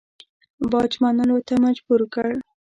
باج منلو ته مجبور کړ.